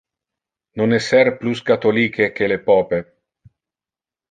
Non esser plus catholic que le pope.